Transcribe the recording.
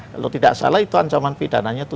kalau tidak salah itu ancaman pidana nya